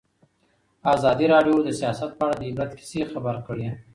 ازادي راډیو د سیاست په اړه د عبرت کیسې خبر کړي.